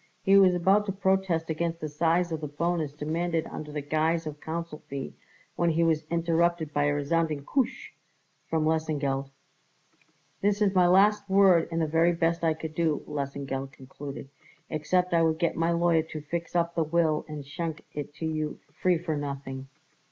He was about to protest against the size of the bonus demanded under the guise of counsel fee when he was interrupted by a resounding, "Koosh!" from Lesengeld. "That is my last word and the very best I could do," Lesengeld concluded, "except I would get my lawyer to fix up the will and schenk it to you free for nothing."